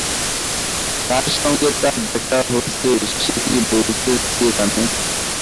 কার সঙ্গে তার দেখা হচ্ছে, সে কী বলছে কে জানে?